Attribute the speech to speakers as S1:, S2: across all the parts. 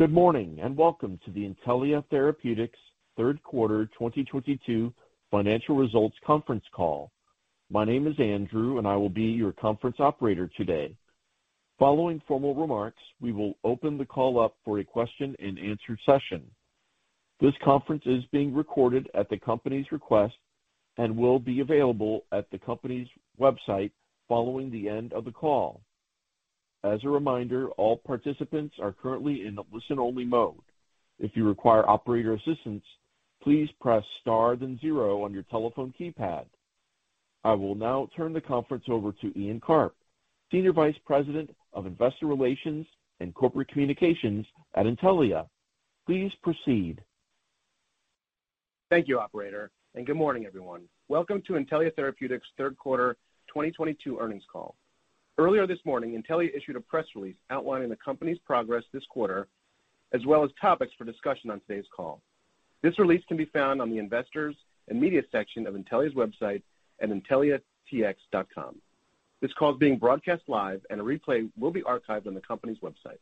S1: Good morning, and welcome to the Intellia Therapeutics third quarter 2022 financial results conference call. My name is Andrew, and I will be your conference operator today. Following formal remarks, we will open the call up for a question-and-answer session. This conference is being recorded at the company's request and will be available at the company's website following the end of the call. As a reminder, all participants are currently in listen-only mode. If you require operator assistance, please press star then zero on your telephone keypad. I will now turn the conference over to Ian Karp, Senior Vice President of Investor Relations and Corporate Communications at Intellia. Please proceed.
S2: Thank you, operator, and good morning, everyone. Welcome to Intellia Therapeutics third quarter 2022 earnings call. Earlier this morning, Intellia issued a press release outlining the company's progress this quarter, as well as topics for discussion on today's call. This release can be found on the Investors and Media section of Intellia's website at intelliatx.com. This call is being broadcast live, and a replay will be archived on the company's website.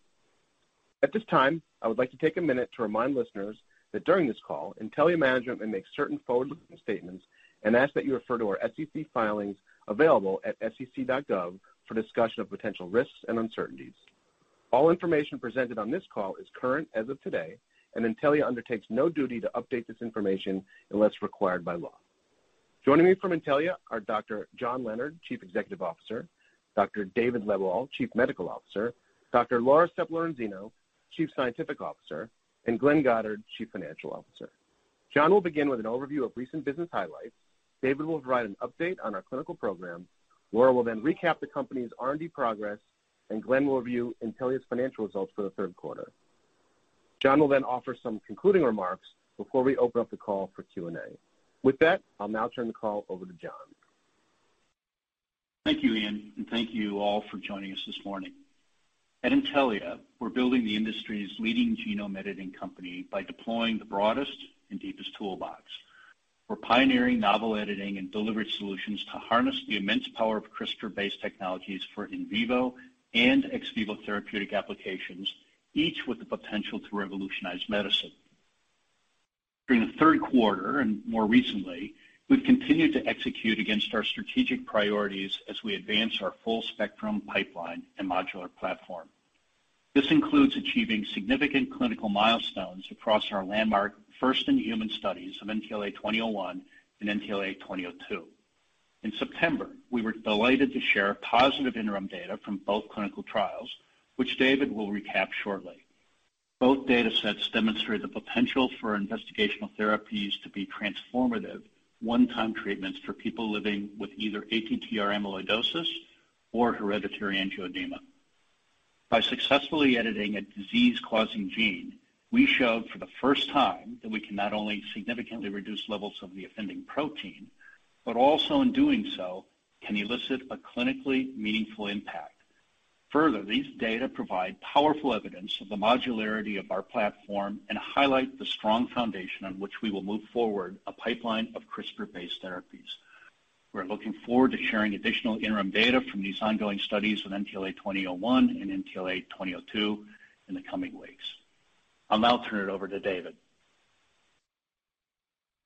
S2: At this time, I would like to take a minute to remind listeners that during this call, Intellia management may make certain forward-looking statements and ask that you refer to our SEC filings available at sec.gov for discussion of potential risks and uncertainties. All information presented on this call is current as of today, and Intellia undertakes no duty to update this information unless required by law. Joining me from Intellia are Dr. John Leonard, Chief Executive Officer, Dr. David Lebwohl, Chief Medical Officer, Dr. Laura Sepp-Lorenzino, Chief Scientific Officer, and Glenn Goddard, Chief Financial Officer. John will begin with an overview of recent business highlights. David will provide an update on our clinical program. Laura will then recap the company's R&D progress, and Glenn will review Intellia's financial results for the third quarter. John will then offer some concluding remarks before we open up the call for Q&A. With that, I'll now turn the call over to John.
S3: Thank you, Ian, and thank you all for joining us this morning. At Intellia, we're building the industry's leading genome editing company by deploying the broadest and deepest toolbox. We're pioneering novel editing and delivery solutions to harness the immense power of CRISPR-based technologies for in vivo and ex vivo therapeutic applications, each with the potential to revolutionize medicine. During the third quarter and more recently, we've continued to execute against our strategic priorities as we advance our full spectrum pipeline and modular platform. This includes achieving significant clinical milestones across our landmark first-in-human studies of NTLA-2001 and NTLA-2002. In September, we were delighted to share positive interim data from both clinical trials, which David will recap shortly. Both data sets demonstrate the potential for investigational therapies to be transformative one-time treatments for people living with either ATTR amyloidosis or hereditary angioedema. By successfully editing a disease-causing gene, we showed for the first time that we can not only significantly reduce levels of the offending protein, but also in doing so, can elicit a clinically meaningful impact. Further, these data provide powerful evidence of the modularity of our platform and highlight the strong foundation on which we will move forward a pipeline of CRISPR-based therapies. We're looking forward to sharing additional interim data from these ongoing studies of NTLA-2001 and NTLA-2002 in the coming weeks. I'll now turn it over to David.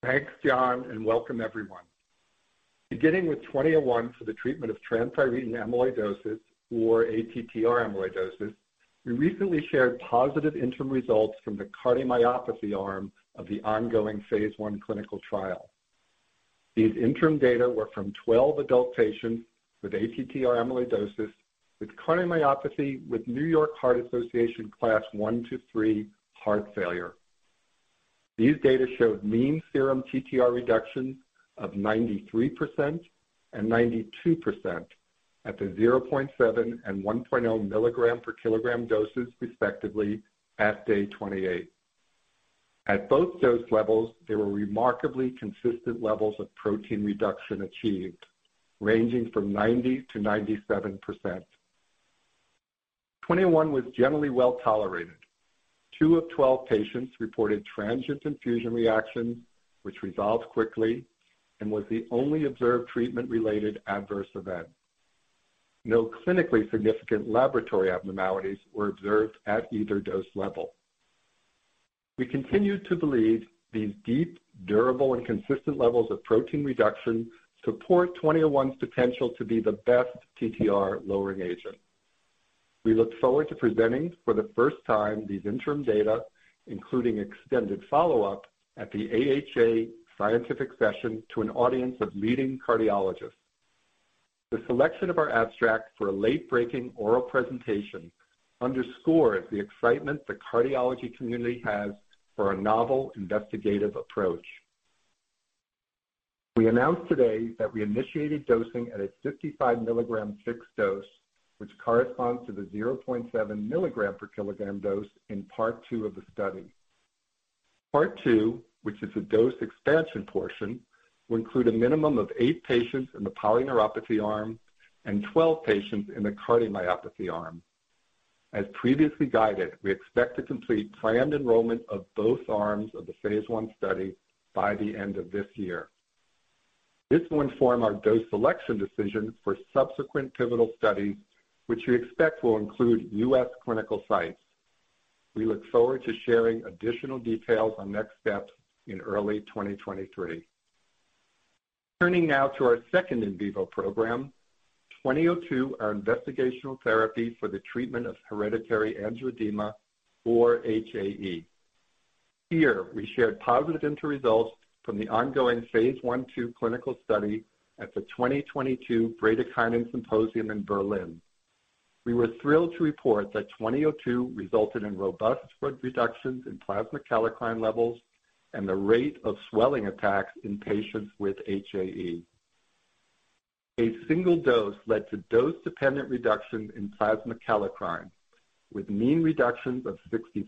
S4: Thanks, John, and welcome everyone. Beginning with NTLA-2001 for the treatment of transthyretin amyloidosis or ATTR amyloidosis, we recently shared positive interim results from the cardiomyopathy arm of the ongoing phase I clinical trial. These interim data were from 12 adult patients with ATTR amyloidosis, with cardiomyopathy with New York Heart Association Class I-III heart failure. These data showed mean serum TTR reduction of 93% and 92% at the 0.7 and 1.0 mg per kilogram doses, respectively, at day 28. At both dose levels, there were remarkably consistent levels of protein reduction achieved, ranging from 90%-97%. NTLA-2001 was generally well tolerated. Two of 12 patients reported transient infusion reactions, which resolved quickly and was the only observed treatment-related adverse event. No clinically significant laboratory abnormalities were observed at either dose level. We continue to believe these deep, durable, and consistent levels of protein reduction support NTLA-2001's potential to be the best TTR-lowering agent. We look forward to presenting for the first time these interim data, including extended follow-up, at the AHA Scientific Sessions to an audience of leading cardiologists. The selection of our abstract for a late-breaking oral presentation underscores the excitement the cardiology community has for a novel investigative approach. We announced today that we initiated dosing at a 55 mg fixed dose, which corresponds to the 0.7 mg per kilogram dose in part two of the study. part two, which is a dose expansion portion, will include a minimum of eight patients in the polyneuropathy arm and 12 patients in the cardiomyopathy arm. As previously guided, we expect to complete planned enrollment of both arms of the phase I study by the end of this year. This will inform our dose selection decision for subsequent pivotal studies, which we expect will include U.S. clinical sites. We look forward to sharing additional details on next steps in early 2023. Turning now to our second in vivo program, NTLA-2002, our investigational therapy for the treatment of hereditary angioedema, or HAE. Here, we shared positive interim results from the ongoing phase I/2 clinical study at the 2022 Bradykinin Symposium in Berlin. We were thrilled to report that NTLA-2002 resulted in robust reductions in plasma kallikrein levels and the rate of swelling attacks in patients with HAE. A single dose led to dose-dependent reductions in plasma kallikrein, with mean reductions of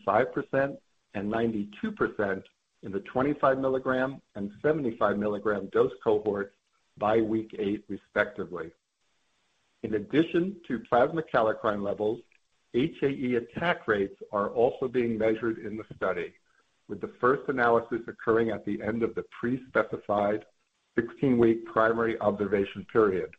S4: 65% and 92% in the 25 mg and 75 mg dose cohorts by week eight, respectively. In addition to plasma kallikrein levels, HAE attack rates are also being measured in the study, with the first analysis occurring at the end of the pre-specified 16-week primary observation period.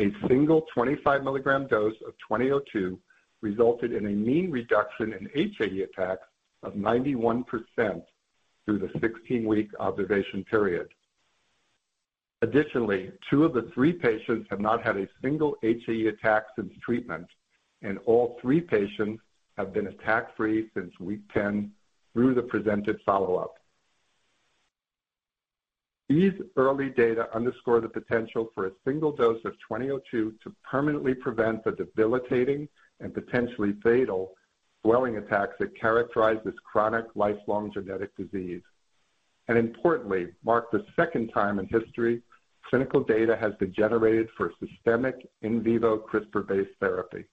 S4: A single 25 mg dose of NTLA-2002 resulted in a mean reduction in HAE attacks of 91% through the 16-week observation period. Additionally, two of the three patients have not had a single HAE attack since treatment, and all three patients have been attack-free since week 10 through the presented follow-up. These early data underscore the potential for a single dose of NTLA-2002 to permanently prevent the debilitating and potentially fatal swelling attacks that characterize this chronic, lifelong genetic disease, and importantly, mark the second time in history clinical data has been generated for systemic in vivo CRISPR-based therapy.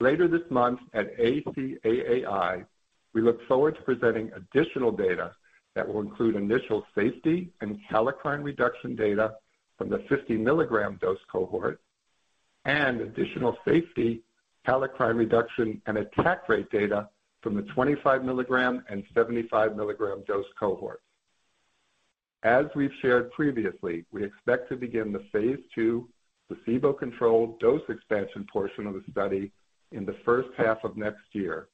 S4: Later this month at ACAAI, we look forward to presenting additional data that will include initial safety and kallikrein reduction data from the 50-mg dose cohort and additional safety kallikrein reduction and attack rate data from the 25 mg and 75 mg dose cohorts. As we've shared previously, we expect to begin the phase II placebo-controlled dose expansion portion of the study in the first half of next year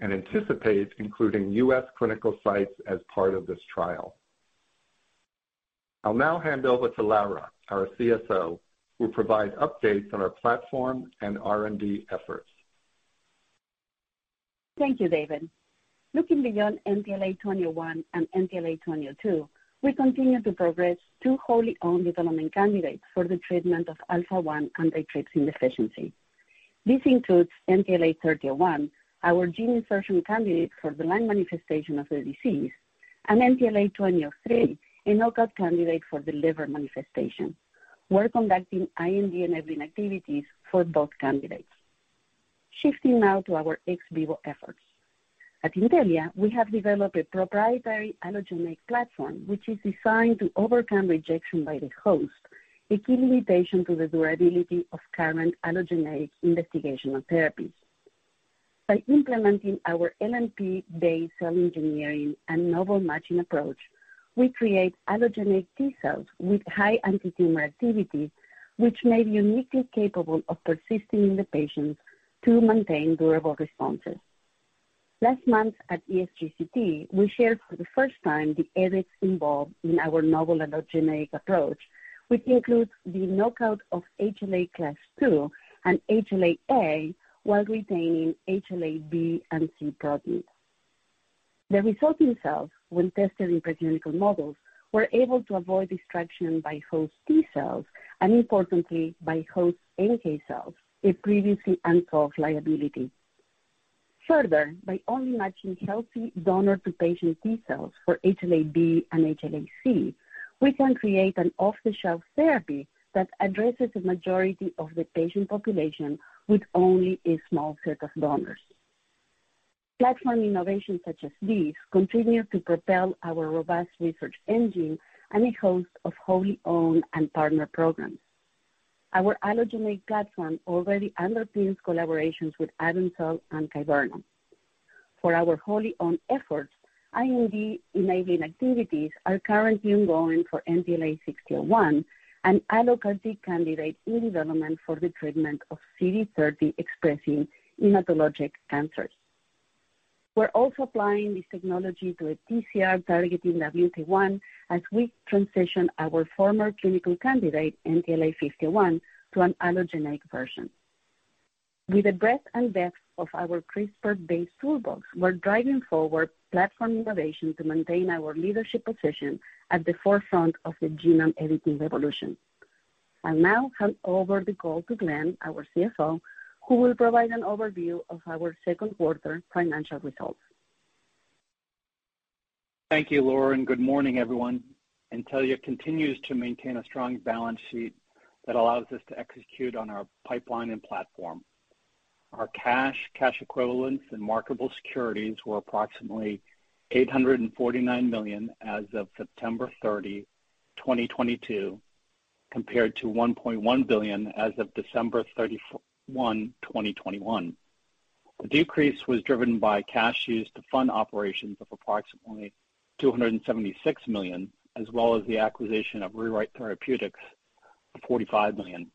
S4: and anticipate including U.S. clinical sites as part of this trial. I'll now hand over to Laura, our CSO, who will provide updates on our platform and R&D efforts.
S5: Thank you, David. Looking beyond NTLA-2001 and NTLA-2002, we continue to progress two wholly-owned development candidates for the treatment of Alpha-1 antitrypsin deficiency. This includes NTLA-3001, our gene insertion candidate for the lung manifestation of the disease, and NTLA-2003, a knockout candidate for the liver manifestation. We're conducting IND-enabling activities for both candidates. Shifting now to our ex vivo efforts. At Intellia, we have developed a proprietary allogeneic platform, which is designed to overcome rejection by the host, a key limitation to the durability of current allogeneic investigational therapies. By implementing our LNP-based cell engineering and novel matching approach, we create allogeneic T-cells with high antitumor activity, which may be uniquely capable of persisting in the patients to maintain durable responses. Last month at ESGCT, we shared for the first time the edits involved in our novel allogeneic approach, which includes the knockout of HLA class II and HLA-A while retaining HLA-B and HLA-C products. The resulting cells, when tested in preclinical models, were able to avoid destruction by host T-cells and importantly, by host NK cells, a previously untold liability. Further, by only matching healthy donor-to-patient T-cells for HLA-B and HLA-C, we can create an off-the-shelf therapy that addresses the majority of the patient population with only a small set of donors. Platform innovations such as these continue to propel our robust research engine and a host of wholly owned and partner programs. Our allogeneic platform already underpins collaborations with AvenCell and Kyverna. For our wholly owned efforts, IND-enabling activities are currently ongoing for NTLA-6001, an alloCAR-T candidate in development for the treatment of CD30-expressing hematologic cancers. We're also applying this technology to a TCR targeting WT1 as we transition our former clinical candidate, NTLA-5001, to an allogeneic version. With the breadth and depth of our CRISPR-based toolbox, we're driving forward platform innovation to maintain our leadership position at the forefront of the genome editing revolution. I'll now hand over the call to Glenn, our CFO, who will provide an overview of our second quarter financial results.
S6: Thank you, Laura, and good morning, everyone. Intellia continues to maintain a strong balance sheet that allows us to execute on our pipeline and platform. Our cash equivalents, and marketable securities were approximately $849 million as of September 30, 2022, compared to $1.1 billion as of December 31, 2021. The decrease was driven by cash used to fund operations of approximately $276 million, as well as the acquisition of Rewrite Therapeutics of $45 million.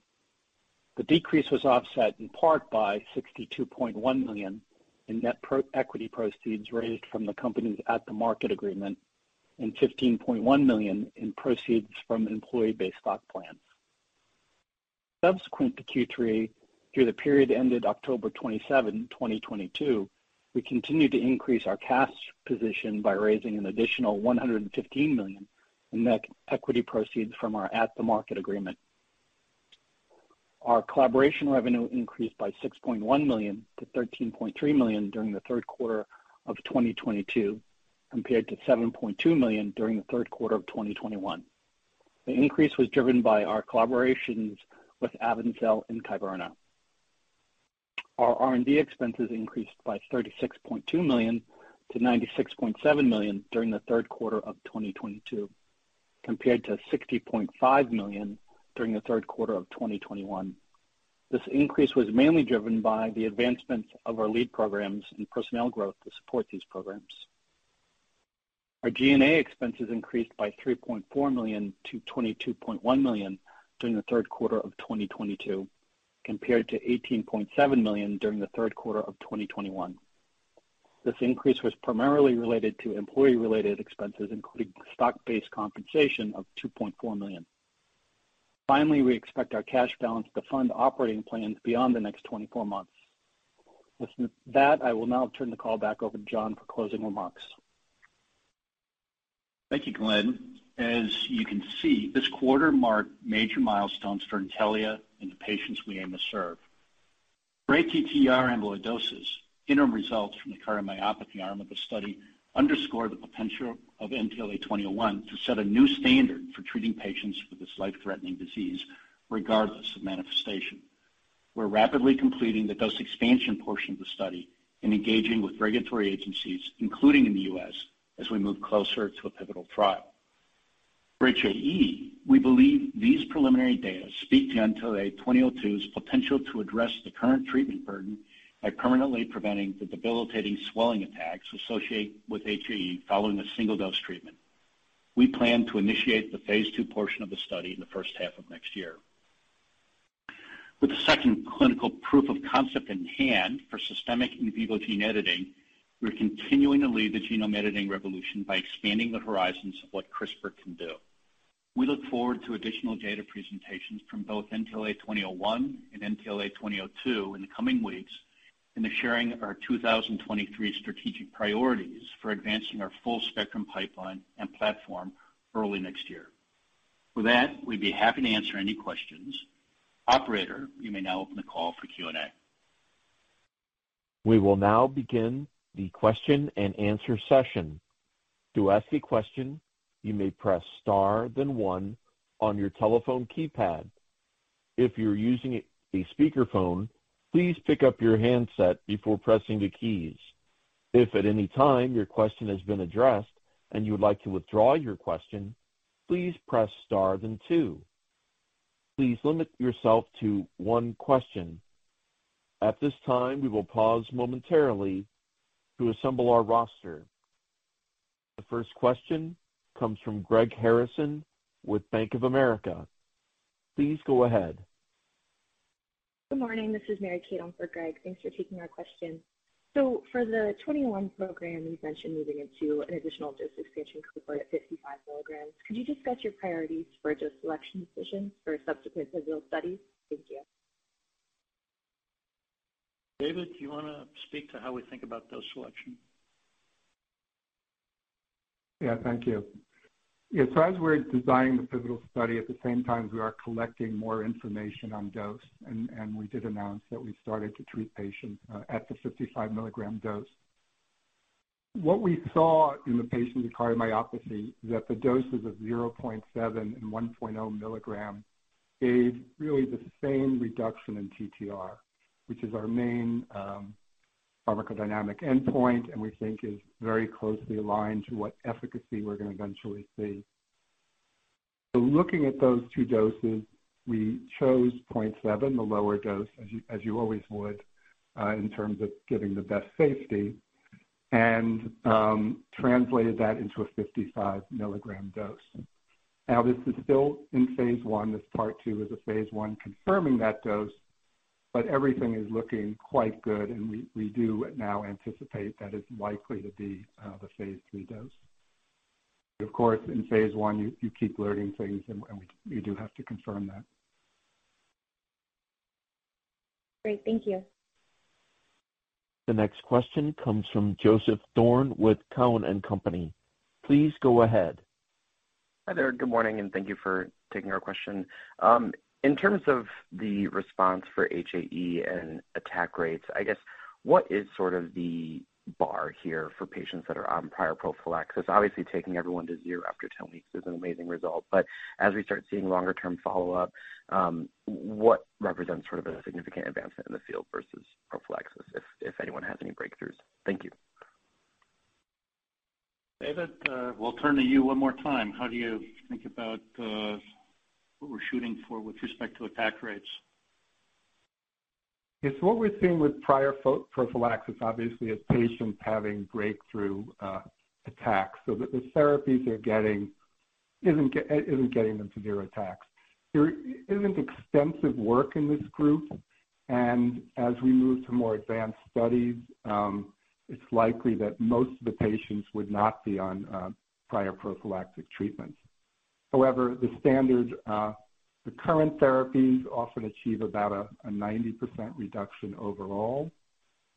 S6: The decrease was offset in part by $62.1 million in net equity proceeds raised from the company's at-the-market agreement and $15.1 million in proceeds from employee-based stock plans. Subsequent to Q3 through the period ended October 27, 2022, we continued to increase our cash position by raising an additional $115 million in net equity proceeds from our at-the-market agreement. Our collaboration revenue increased by $6.1 million-$13.3 million during the third quarter of 2022, compared to $7.2 million during the third quarter of 2021. The increase was driven by our collaborations with AvenCell and Kyverna. Our R&D expenses increased by $36.2 million-$96.7 million during the third quarter of 2022, compared to $60.5 million during the third quarter of 2021. This increase was mainly driven by the advancements of our lead programs and personnel growth to support these programs. Our G&A expenses increased by $3.4 million-$22.1 million during the third quarter of 2022, compared to $18.7 million during the third quarter of 2021. This increase was primarily related to employee-related expenses, including stock-based compensation of $2.4 million. Finally, we expect our cash balance to fund operating plans beyond the next 24 months. With that, I will now turn the call back over to John for closing remarks.
S3: Thank you, Glenn. As you can see, this quarter marked major milestones for Intellia and the patients we aim to serve. For ATTR amyloidosis, interim results from the cardiomyopathy arm of the study underscore the potential of NTLA-2001 to set a new standard for treating patients with this life-threatening disease, regardless of manifestation. We're rapidly completing the dose expansion portion of the study and engaging with regulatory agencies, including in the U.S., as we move closer to a pivotal trial. For HAE, we believe these preliminary data speak to NTLA-2002's potential to address the current treatment burden by permanently preventing the debilitating swelling attacks associated with HAE following a single-dose treatment. We plan to initiate the phase II portion of the study in the first half of next year. With the second clinical proof of concept in hand for systemic in vivo gene editing, we're continuing to lead the genome editing revolution by expanding the horizons of what CRISPR can do. We look forward to additional data presentations from both NTLA-2001 and NTLA-2002 in the coming weeks and the sharing of our 2023 strategic priorities for advancing our full spectrum pipeline and platform early next year. With that, we'd be happy to answer any questions. Operator, you may now open the call for Q&A.
S1: We will now begin the question-and-answer session. To ask a question, you may press star then one on your telephone keypad. If you're using a speakerphone, please pick up your handset before pressing the keys. If at any time your question has been addressed and you would like to withdraw your question, please press star then two. Please limit yourself to one question. At this time, we will pause momentarily to assemble our roster. The first question comes from Greg Harrison with Bank of America. Please go ahead.
S7: Good morning. This is Mary Kate on for Greg. Thanks for taking our question. For the NTLA-2001 program, you've mentioned moving into an additional dose expansion cohort at 55 mg. Could you discuss your priorities for dose selection decisions for subsequent pivotal studies? Thank you.
S3: David, do you wanna speak to how we think about dose selection?
S4: Yeah, thank you. Yeah, as we're designing the pivotal study, at the same time, we are collecting more information on dose, and we did announce that we started to treat patients at the 55 mg dose. What we saw in the patients with cardiomyopathy is that the doses of 0.7 mg and 1.0 mg gave really the same reduction in TTR, which is our main pharmacodynamic endpoint, and we think is very closely aligned to what efficacy we're gonna eventually see. Looking at those two doses, we chose 0.7 mg, the lower dose, as you always would in terms of giving the best safety, and translated that into a 55 mg dose. Now, this is still in phase I. This part two is a phase I confirming that dose, but everything is looking quite good, and we do now anticipate that is likely to be the phase III dose. Of course, in phase I, you keep learning things and we do have to confirm that.
S7: Great. Thank you.
S1: The next question comes from Joseph Thome with Cowen and Company. Please go ahead.
S8: Hi there. Good morning, and thank you for taking our question. In terms of the response for HAE and attack rates, I guess what is sort of the bar here for patients that are on prior prophylaxis? Obviously, taking everyone to zero after 10 weeks is an amazing result, but as we start seeing longer-term follow-up, what represents sort of a significant advancement in the field versus prophylaxis if anyone has any breakthroughs? Thank you.
S3: David, we'll turn to you one more time. How do you think about what we're shooting for with respect to attack rates?
S4: Yes. What we're seeing with prior prophylaxis, obviously, is patients having breakthrough attacks so that the therapies they're getting isn't getting them to zero attacks. There isn't extensive work in this group, and as we move to more advanced studies, it's likely that most of the patients would not be on prior prophylactic treatments. However, the standard, the current therapies often achieve about a 90% reduction overall.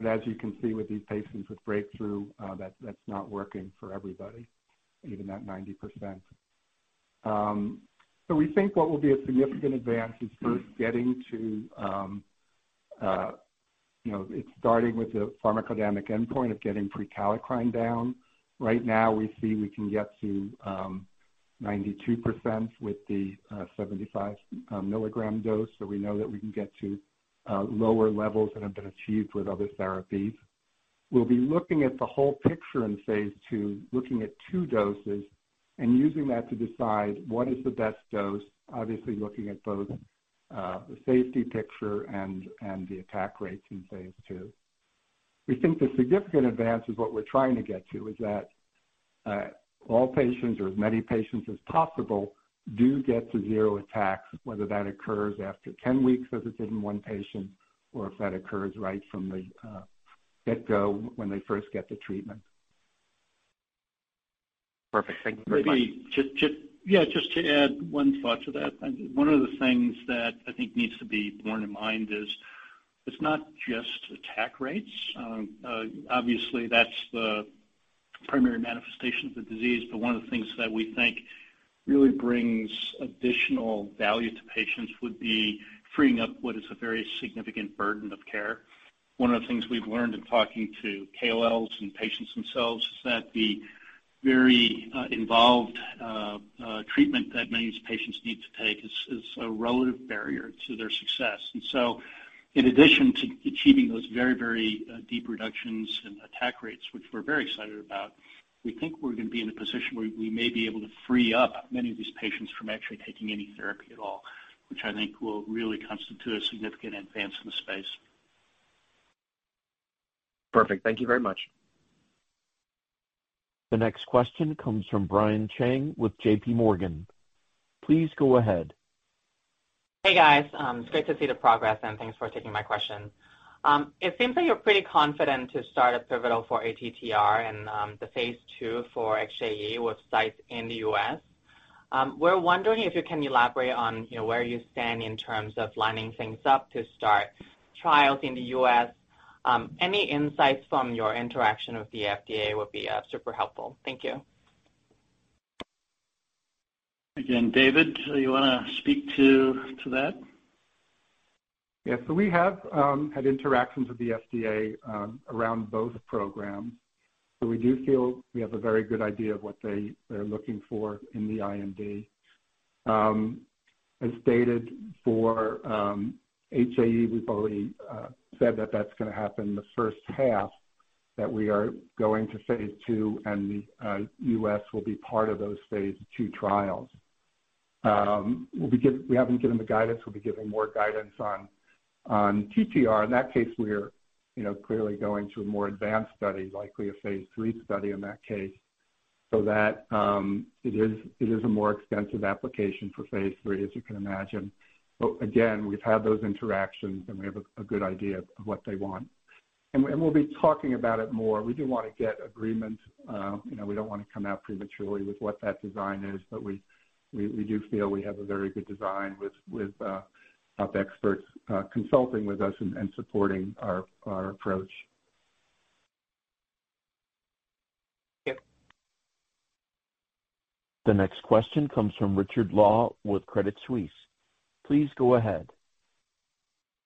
S4: As you can see with these patients with breakthrough, that's not working for everybody, even at 90%. We think what will be a significant advance is first getting to, you know, it's starting with the pharmacodynamic endpoint of getting prekallikrein down. Right now, we see we can get to 92% with the 75 mg dose, so we know that we can get to lower levels that have been achieved with other therapies. We'll be looking at the whole picture in phase II, looking at two doses and using that to decide what is the best dose, obviously looking at both the safety picture and the attack rates in phase II. We think the significant advance is what we're trying to get to, is that all patients or as many patients as possible do get to zero attacks, whether that occurs after 10 weeks as it did in one patient or if that occurs right from the get-go when they first get the treatment.
S8: Perfect. Thank you very much.
S3: Yeah, just to add one thought to that. One of the things that I think needs to be borne in mind is it's not just attack rates. Obviously, that's the primary manifestation of the disease. One of the things that we think really brings additional value to patients would be freeing up what is a very significant burden of care. One of the things we've learned in talking to KOLs and patients themselves is that the very involved treatment that many of these patients need to take is a relative barrier to their success. In addition to achieving those very, very, deep reductions in attack rates, which we're very excited about, we think we're gonna be in a position where we may be able to free up many of these patients from actually taking any therapy at all, which I think will really constitute a significant advance in the space.
S8: Perfect. Thank you very much.
S1: The next question comes from Brian Cheng with J.P. Morgan. Please go ahead.
S9: Hey, guys. It's great to see the progress, and thanks for taking my question. It seems like you're pretty confident to start a pivotal for ATTR and the phase II for HAE with sites in the U.S. We're wondering if you can elaborate on, you know, where you stand in terms of lining things up to start trials in the U.S. Any insights from your interaction with the FDA would be super helpful. Thank you.
S3: Again, David, do you wanna speak to that?
S4: Yeah. We have had interactions with the FDA around both programs. We do feel we have a very good idea of what they're looking for in the IND. As stated for HAE, we've already said that that's gonna happen in the first half, that we are going to phase II and the US will be part of those phase II trials. We haven't given the guidance. We'll be giving more guidance on TTR. In that case, we're, you know, clearly going to a more advanced study, likely a phase III study in that case, so that it is a more extensive application for phase III, as you can imagine. Again, we've had those interactions, and we have a good idea of what they want. We'll be talking about it more. We do wanna get agreement. You know, we don't wanna come out prematurely with what that design is, but we do feel we have a very good design with top experts consulting with us and supporting our approach.
S9: Thank you.
S1: The next question comes from Richard Law with Credit Suisse. Please go ahead.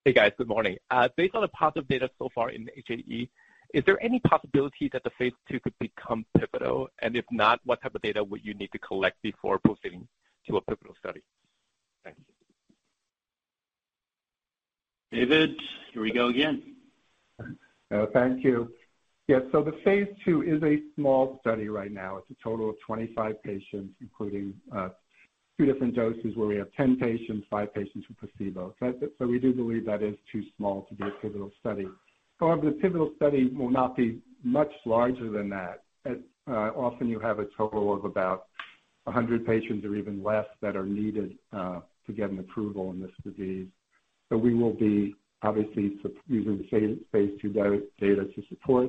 S10: Hey, guys. Good morning. Based on the positive data so far in HAE, is there any possibility that the phase II could become pivotal? If not, what type of data would you need to collect before proceeding to a pivotal study? Thank you.
S3: David, here we go again.
S4: Thank you. Yeah. The phase II is a small study right now. It's a total of 25 patients, including two different doses where we have 10 patients, five patients with placebo. We do believe that is too small to be a pivotal study. However, the pivotal study will not be much larger than that. Often you have a total of about 100 patients or even less that are needed to get an approval in this disease. We will be obviously using the phase II data to support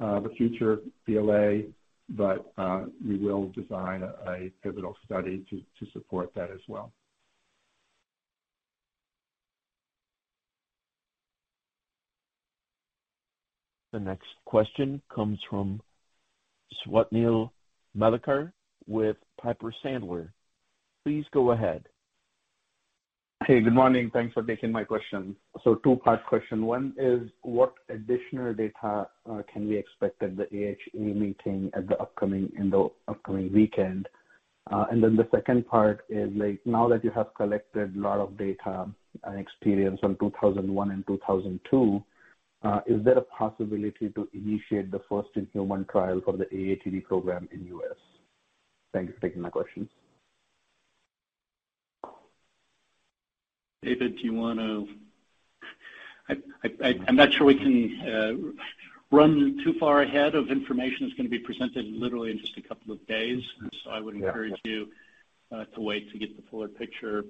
S4: the future BLA, but we will design a pivotal study to support that as well.
S1: The next question comes from Swapnil Malekar with Piper Sandler. Please go ahead.
S11: Hey, good morning. Thanks for taking my question. Two-part question. One is, what additional data can we expect at the AHA meeting in the upcoming weekend? The second part is like, now that you have collected a lot of data and experience from NTLA-2001 and NTLA-2002, is there a possibility to initiate the first in human trial for the AATD program in U.S.? Thanks for taking my questions.
S3: David, I'm not sure we can run too far ahead of information that's gonna be presented literally in just a couple of days. I would encourage you to wait to get the fuller picture.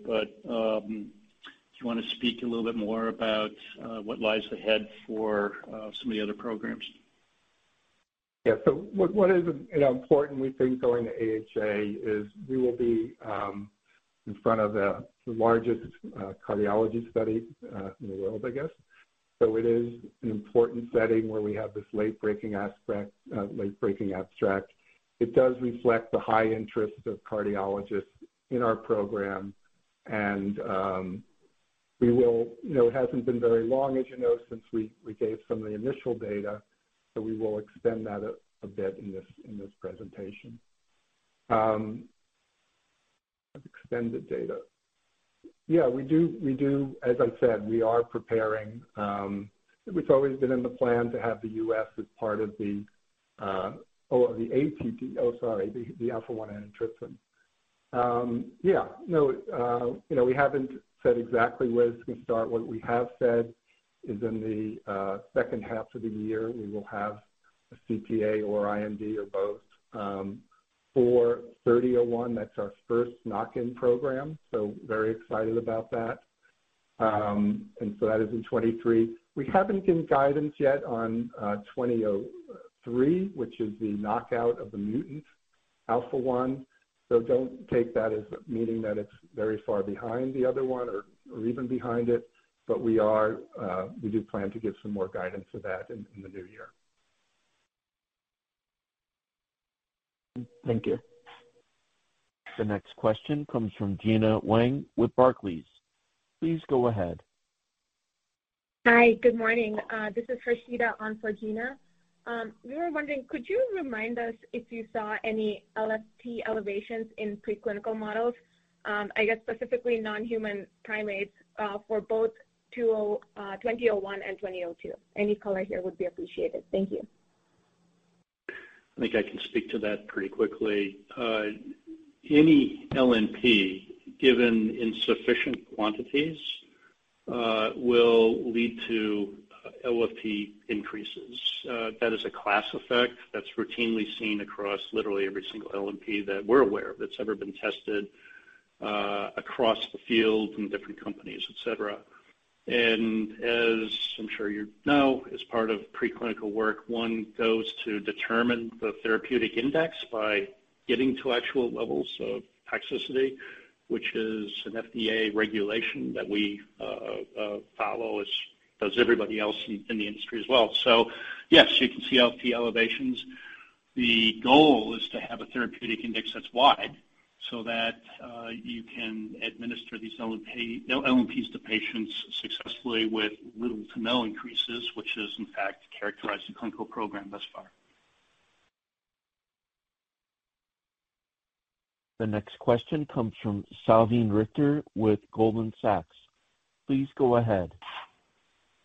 S3: Do you wanna speak a little bit more about what lies ahead for some of the other programs?
S4: Yeah. What is, you know, important, we think, going to AHA is we will be in front of the largest cardiology study in the world, I guess. It is an important setting where we have this late-breaking aspect, late-breaking abstract. It does reflect the high interest of cardiologists in our program and we will. You know, it hasn't been very long, as you know, since we gave some of the initial data, so we will extend that a bit in this presentation. Extended data. Yeah, we do. As I said, we are preparing. It's always been in the plan to have the U.S. as part of the Alpha-1 antitrypsin. Yeah, no, you know, we haven't said exactly where it's gonna start. What we have said is in the second half of the year we will have a CTA or IND or both for NTLA-3001. That's our first knock-in program, so very excited about that. That is in 2023. We haven't given guidance yet on NTLA-2003, which is the knockout of the mutant Alpha-1, so don't take that as meaning that it's very far behind the other one or even behind it. We are, we do plan to give some more guidance to that in the new year.
S11: Thank you.
S1: The next question comes from Gena Wang with Barclays. Please go ahead.
S12: Hi. Good morning. This is Rashida on for Gena. We were wondering, could you remind us if you saw any LFT elevations in preclinical models, I guess specifically non-human primates, for both NTLA-2001 and NTLA-2002? Any color here would be appreciated. Thank you.
S3: I think I can speak to that pretty quickly. Any LNP given in sufficient quantities will lead to LFT increases. That is a class effect that's routinely seen across literally every single LNP that we're aware of that's ever been tested across the field from different companies, et cetera. As I'm sure you know, as part of preclinical work, one goes to determine the therapeutic index by getting to actual levels of toxicity, which is an FDA regulation that we follow, as does everybody else in the industry as well. Yes, you can see LFT elevations. The goal is to have a therapeutic index that's wide so that you can administer these LNP to patients successfully with little to no increases, which has in fact characterized the clinical program thus far.
S1: The next question comes from Salveen Richter with Goldman Sachs. Please go ahead.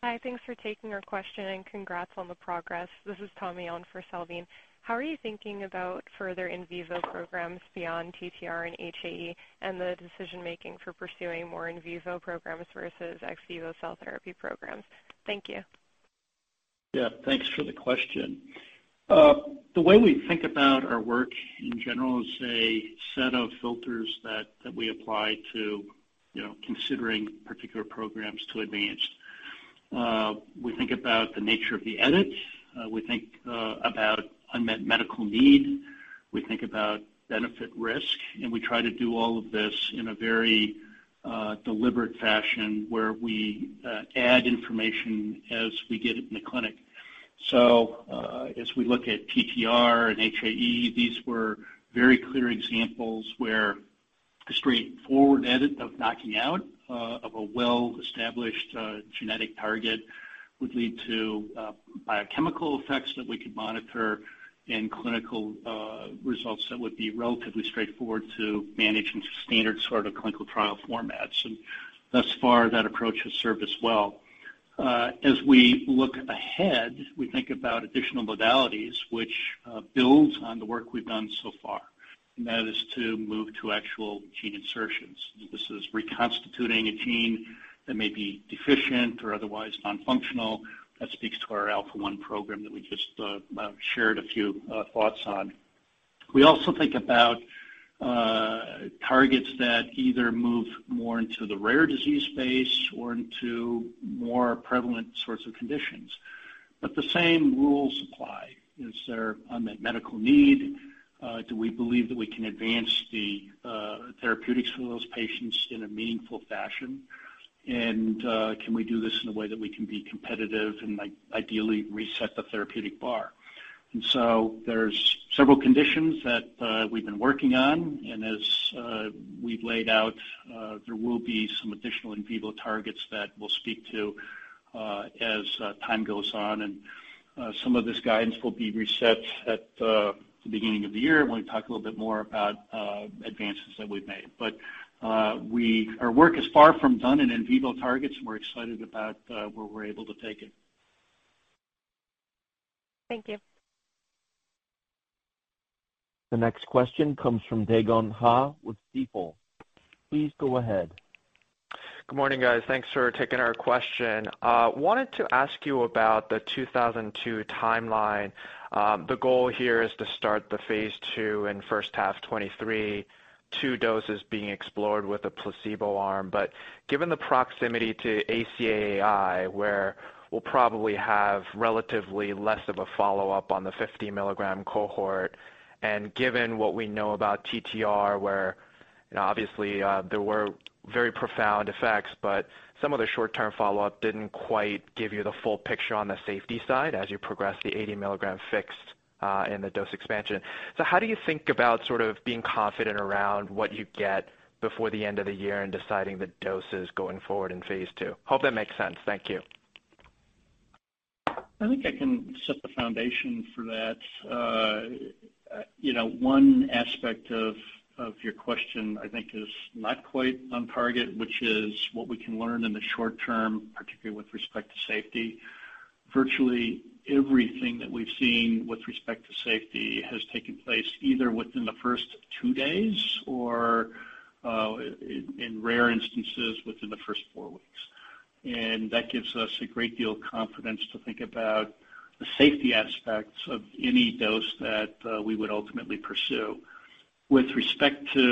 S13: Hi. Thanks for taking our question, and congrats on the progress. This is Tommy on for Salveen. How are you thinking about further in vivo programs beyond TTR and HAE and the decision-making for pursuing more in vivo programs versus ex vivo cell therapy programs? Thank you.
S3: Yeah. Thanks for the question. The way we think about our work in general is a set of filters that we apply to, you know, considering particular programs to advance. We think about the nature of the edit. We think about unmet medical need. We think about benefit risk, and we try to do all of this in a very deliberate fashion where we add information as we get it in the clinic. As we look at TTR and HAE, these were very clear examples where a straightforward edit of knocking out of a well-established genetic target would lead to biochemical effects that we could monitor and clinical results that would be relatively straightforward to manage in standard sort of clinical trial formats. Thus far, that approach has served us well. As we look ahead, we think about additional modalities which builds on the work we've done so far, and that is to move to actual gene insertions. This is reconstituting a gene that may be deficient or otherwise non-functional. That speaks to our Alpha-1 program that we just shared a few thoughts on. We also think about targets that either move more into the rare disease space or into more prevalent sorts of conditions. The same rules apply. Is there unmet medical need? Do we believe that we can advance the therapeutics for those patients in a meaningful fashion? Can we do this in a way that we can be competitive and ideally reset the therapeutic bar? There's several conditions that we've been working on, and as we've laid out, there will be some additional in vivo targets that we'll speak to. As time goes on and some of this guidance will be reset at the beginning of the year when we talk a little bit more about advances that we've made. But our work is far from done in vivo targets, and we're excited about where we're able to take it.
S13: Thank you.
S1: The next question comes from Dae Gon Ha with Stifel. Please go ahead.
S14: Good morning, guys. Thanks for taking our question. Wanted to ask you about the NTLA-2002 timeline. The goal here is to start the phase II in first half 2023, two doses being explored with a placebo arm. Given the proximity to ACAAI, where we'll probably have relatively less of a follow-up on the 50 mg cohort, and given what we know about TTR where, you know, obviously, there were very profound effects, but some of the short-term follow-up didn't quite give you the full picture on the safety side as you progress the 80 mg fixed in the dose expansion. How do you think about sort of being confident around what you get before the end of the year and deciding the doses going forward in phase II? Hope that makes sense. Thank you.
S3: I think I can set the foundation for that. You know, one aspect of your question, I think, is not quite on target, which is what we can learn in the short-term, particularly with respect to safety. Virtually everything that we've seen with respect to safety has taken place either within the first two days or, in rare instances, within the first four weeks. That gives us a great deal of confidence to think about the safety aspects of any dose that we would ultimately pursue. With respect to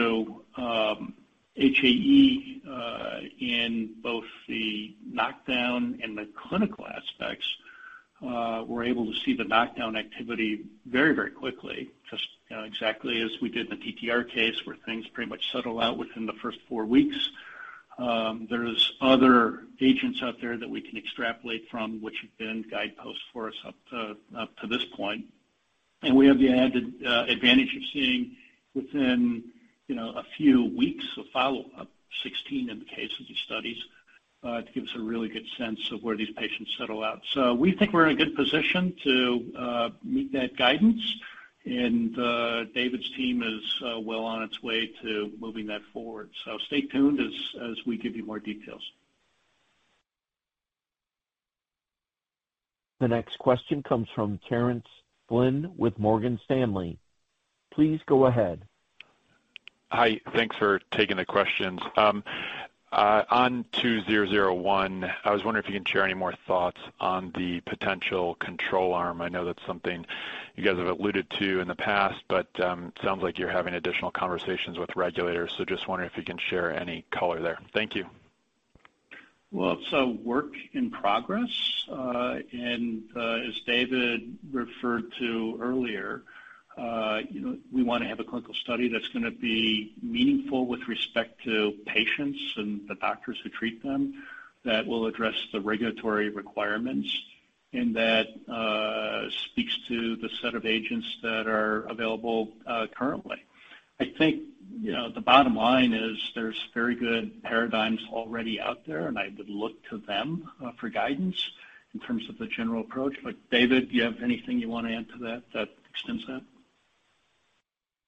S3: HAE, in both the knockdown and the clinical aspects, we're able to see the knockdown activity very, very quickly, just, you know, exactly as we did in the TTR case, where things pretty much settle out within the first four weeks. There's other agents out there that we can extrapolate from which have been guideposts for us up to this point. We have the added advantage of seeing within, you know, a few weeks of follow-up, 16 in the cases of studies to give us a really good sense of where these patients settle out. We think we're in a good position to meet that guidance. David's team is well on its way to moving that forward. Stay tuned as we give you more details.
S1: The next question comes from Terence Flynn with Morgan Stanley. Please go ahead.
S15: Hi. Thanks for taking the questions. On NTLA-2001, I was wondering if you can share any more thoughts on the potential control arm. I know that's something you guys have alluded to in the past, but sounds like you're having additional conversations with regulators. Just wondering if you can share any color there. Thank you.
S3: Well, it's a work in progress. As David referred to earlier, you know, we wanna have a clinical study that's gonna be meaningful with respect to patients and the doctors who treat them, that will address the regulatory requirements, and that speaks to the set of agents that are available currently. I think, you know, the bottom line is there's very good paradigms already out there, and I would look to them for guidance in terms of the general approach. David, do you have anything you wanna add to that extends that?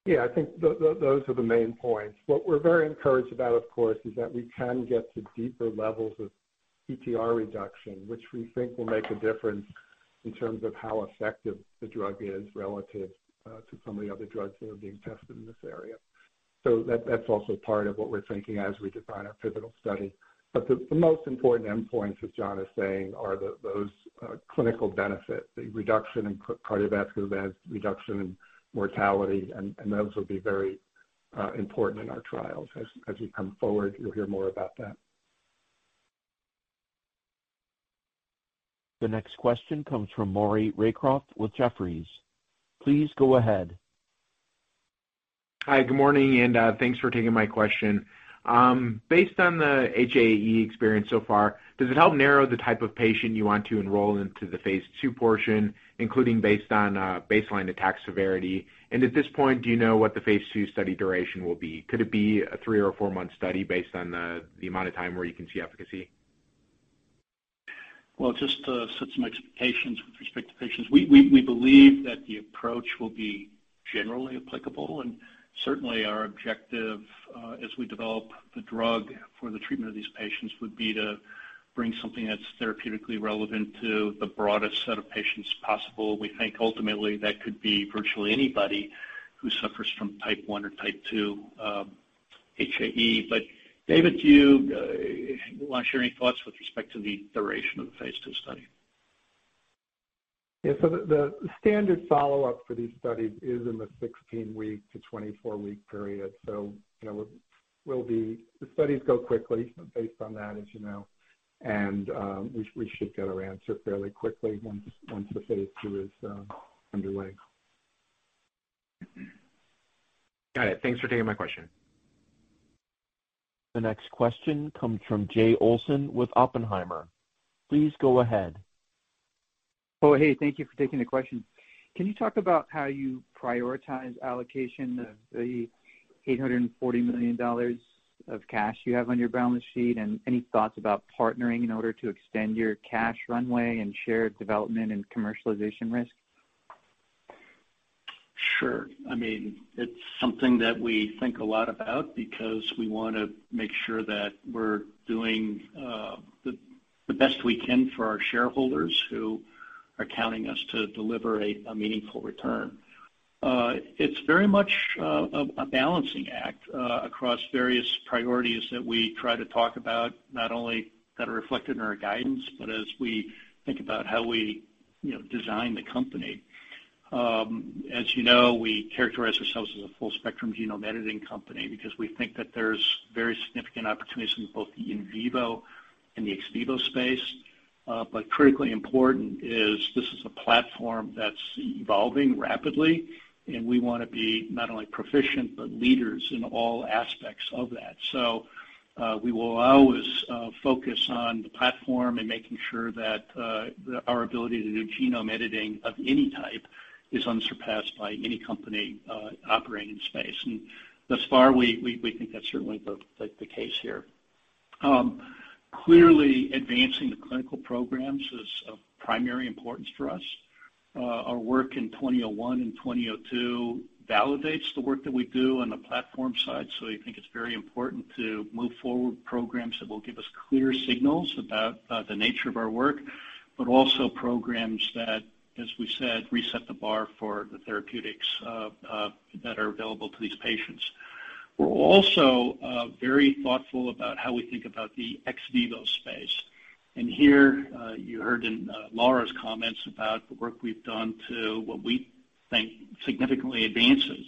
S4: Yeah. I think those are the main points. What we're very encouraged about, of course, is that we can get to deeper levels of TTR reduction, which we think will make a difference in terms of how effective the drug is relative to some of the other drugs that are being tested in this area. That's also part of what we're thinking as we define our pivotal study. The most important endpoints, as John is saying, are those clinical benefit, the reduction in cardiovascular events, reduction in mortality, and those will be very important in our trials. As we come forward, you'll hear more about that.
S1: The next question comes from Maury Raycroft with Jefferies. Please go ahead.
S16: Hi, good morning, and thanks for taking my question. Based on the HAE experience so far, does it help narrow the type of patient you want to enroll into the phase II portion, including based on baseline attack severity? At this point, do you know what the phase II study duration will be? Could it be a three or a four-month study based on the amount of time where you can see efficacy?
S3: Well, just to set some expectations with respect to patients. We believe that the approach will be generally applicable, and certainly our objective, as we develop the drug for the treatment of these patients, would be to bring something that's therapeutically relevant to the broadest set of patients possible. We think ultimately that could be virtually anybody who suffers from type I or type II HAE. David, do you wanna share any thoughts with respect to the duration of the phase II study?
S4: Yeah. The standard follow-up for these studies is in the 16-week to 24-week period. You know, the studies go quickly based on that, as you know, and we should get our answer fairly quickly once the phase II is underway.
S16: Got it. Thanks for taking my question.
S1: The next question comes from Jay Olson with Oppenheimer. Please go ahead.
S17: Oh, hey, thank you for taking the question. Can you talk about how you prioritize allocation of the $840 million of cash you have on your balance sheet? Any thoughts about partnering in order to extend your cash runway and share development and commercialization risk?
S3: Sure. I mean, it's something that we think a lot about because we wanna make sure that we're doing the best we can for our shareholders who are counting on us to deliver a meaningful return. It's very much a balancing act across various priorities that we try to talk about, not only that are reflected in our guidance, but as we think about how we, you know, design the company. As you know, we characterize ourselves as a full spectrum genome editing company because we think that there's very significant opportunities in both the in vivo and the ex vivo space. Critically important, this is a platform that's evolving rapidly, and we wanna be not only proficient, but leaders in all aspects of that. We will always focus on the platform and making sure that our ability to do genome editing of any type is unsurpassed by any company operating in this space. Thus far, we think that's certainly the case here. Clearly advancing the clinical programs is of primary importance for us. Our work in NTLA-2001 and NTLA-2002 validates the work that we do on the platform side, so I think it's very important to move forward programs that will give us clear signals about the nature of our work, but also programs that, as we said, raise the bar for the therapeutics that are available to these patients. We're also very thoughtful about how we think about the ex vivo space. Here, you heard in Laura's comments about the work we've done to what we think significantly advances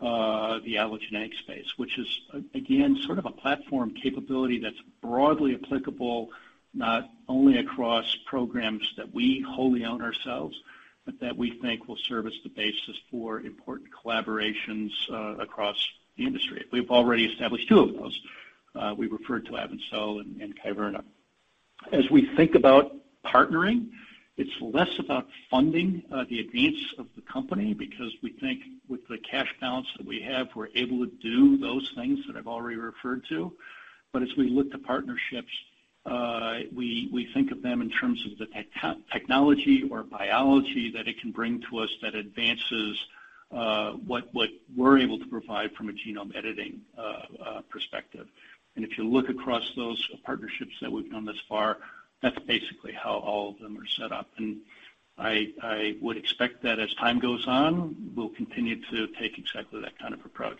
S3: the allogeneic space, which is again, sort of a platform capability that's broadly applicable, not only across programs that we wholly own ourselves, but that we think will serve as the basis for important collaborations across the industry. We've already established two of those, we referred to AvenCell and Kyverna. As we think about partnering, it's less about funding the advance of the company because we think with the cash balance that we have, we're able to do those things that I've already referred to. As we look to partnerships, we think of them in terms of the technology or biology that it can bring to us that advances what we're able to provide from a genome editing perspective. If you look across those partnerships that we've done thus far, that's basically how all of them are set up. I would expect that as time goes on, we'll continue to take exactly that kind of approach.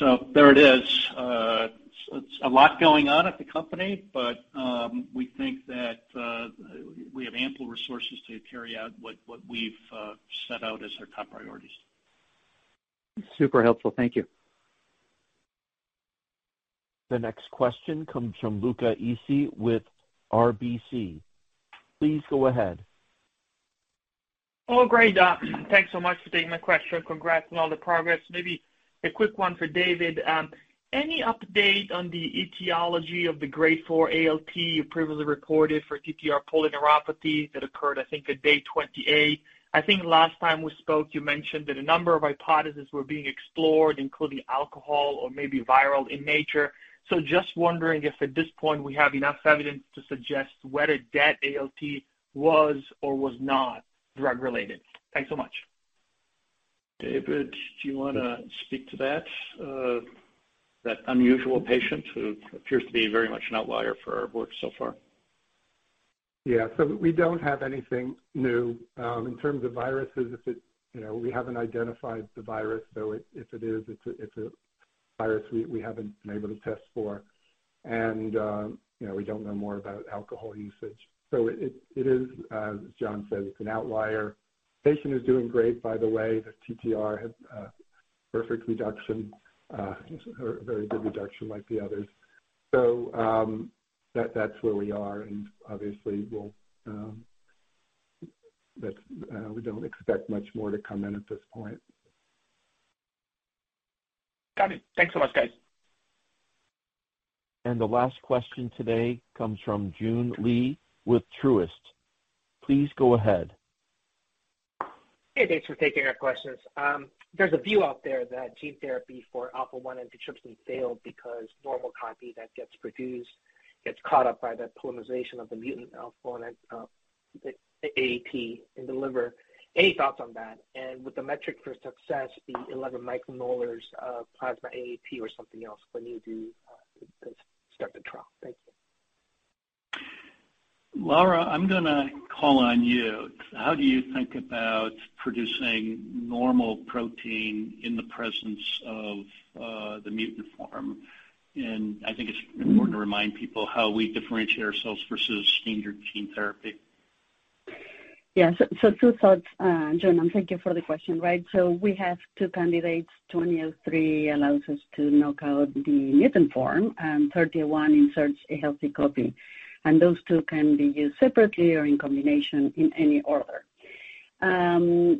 S3: There it is. It's a lot going on at the company, but we think that we have ample resources to carry out what we've set out as our top priorities.
S17: Super helpful. Thank you.
S1: The next question comes from Luca Issi with RBC. Please go ahead.
S18: Oh, great. Thanks so much for taking my question. Congrats on all the progress. Maybe a quick one for David. Any update on the etiology of the grade 4 ALT you previously reported for TTR polyneuropathy that occurred, I think, at day 28? I think last time we spoke, you mentioned that a number of hypotheses were being explored, including alcohol or maybe viral in nature. Just wondering if at this point we have enough evidence to suggest whether that ALT was or was not drug-related. Thanks so much.
S3: David, do you wanna speak to that? That unusual patient who appears to be very much an outlier for our work so far.
S4: Yeah. We don't have anything new in terms of viruses. You know, we haven't identified the virus, so if it is, it's a virus we haven't been able to test for. You know, we don't know more about alcohol usage. It is, as John said, it's an outlier. Patient is doing great, by the way. The TTR had perfect reduction or a very good reduction like the others. That's where we are and obviously we don't expect much more to come in at this point.
S18: Got it. Thanks so much, guys.
S1: The last question today comes from Joon Lee with Truist. Please go ahead.
S19: Hey, thanks for taking our questions. There's a view out there that gene therapy for Alpha-1 antitrypsin failed because normal copy that gets produced gets caught up by the polymerization of the mutant alpha and AAT in the liver. Any thoughts on that? And with the metric for success, the 11 micromolar of plasma AAT or something else when you do start the trial? Thank you.
S3: Laura, I'm gonna call on you. How do you think about producing normal protein in the presence of, the mutant form? I think it's important to remind people how we differentiate ourselves versus standard gene therapy.
S5: Yeah. Two thoughts, Joon, and thank you for the question, right? We have two candidates, NTLA-2003 allows us to knock out the mutant form, and NTLA-3001 inserts a healthy copy. Those two can be used separately or in combination in any order. You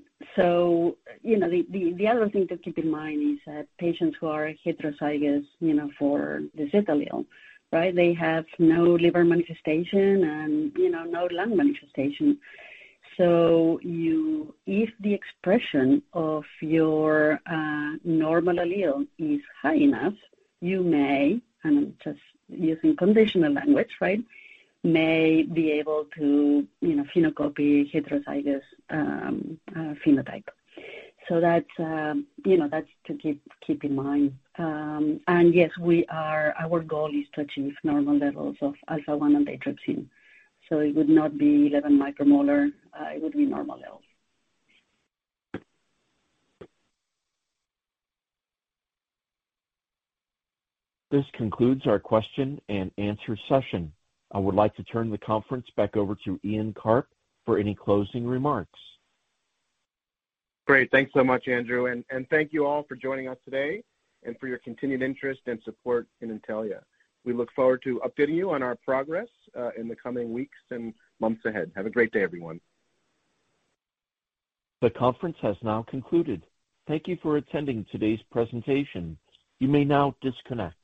S5: know, the other thing to keep in mind is that patients who are heterozygous, you know, for this allele, right? They have no liver manifestation and, you know, no lung manifestation. If the expression of your normal allele is high enough, you may be able to, and I'm just using conditional language, right? You know, phenocopy heterozygous phenotype. That's, you know, to keep in mind. Yes, our goal is to achieve normal levels of Alpha-1 antitrypsin. It would not be 11 micromolar. It would be normal levels.
S1: This concludes our question and answer session. I would like to turn the conference back over to Ian Karp for any closing remarks.
S2: Great. Thanks so much, Andrew, and thank you all for joining us today and for your continued interest and support in Intellia. We look forward to updating you on our progress in the coming weeks and months ahead. Have a great day, everyone.
S1: The conference has now concluded. Thank you for attending today's presentation. You may now disconnect.